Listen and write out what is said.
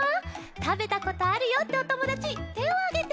たべたことあるよっておともだちてをあげて。